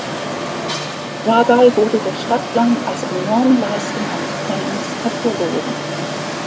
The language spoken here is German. Dabei wurde der Stadtplan als enorme Leistung eines Fans hervorgehoben.